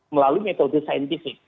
melalui metode saintifik